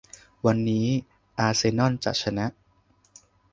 วันนี้อาร์เซนอลจะชนะ